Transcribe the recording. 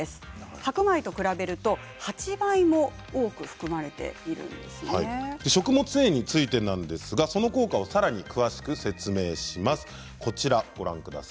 白米と比べると食物繊維についてなんですが、その効果をさらに詳しく説明します。